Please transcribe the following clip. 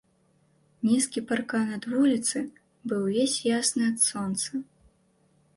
Нізкі паркан ад вуліцы быў увесь ясны ад сонца.